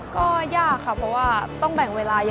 ก็ยากค่ะเพราะว่าต้องแบ่งเวลาเยอะ